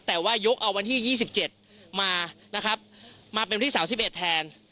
แต่ว่ายกเอาวันที่๒๗มานะครับมาเป็นวันที่๓๑แทน